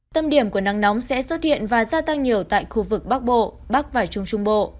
tâm điểm của nắng nóng sẽ xuất hiện và gia tăng nhiều tại khu vực bắc bộ bắc và trung trung bộ